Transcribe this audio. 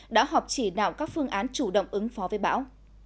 đã họp chỉ đạo các phương án chủ động ứng phó với bão